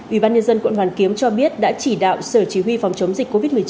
ủy ban nhân dân quận hoàn kiếm cho biết đã chỉ đạo sở chỉ huy phòng chống dịch covid một mươi chín